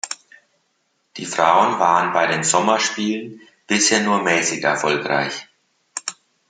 Die Frauen waren bei den Sommerspielen bisher nur mäßig erfolgreich.